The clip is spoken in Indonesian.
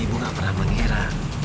ibu gak pernah mengira